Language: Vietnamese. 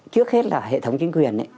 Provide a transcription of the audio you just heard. trước hết là hệ thống chính quyền